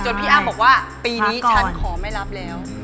พี่อ้ำบอกว่าปีนี้ฉันขอไม่รับแล้ว